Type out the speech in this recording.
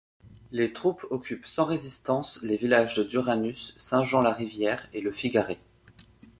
Les troupes occupent sans résistance les villages de Duranus, Saint-Jean-la-Rivière et le Figaret.